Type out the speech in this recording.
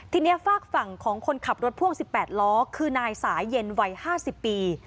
ทีนี้ฝากฝั่งของคนขับรถพ่วง๑๘ล้อคือนายสายเย็นวัย๕๐ปี